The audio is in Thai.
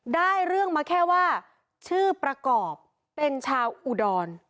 ได้เรื่องมาแค่ว่าชื่อประกอบเป็นชาวอุดร